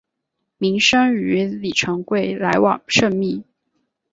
明升与李成桂来往甚密。